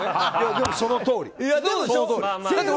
でも、そのとおり。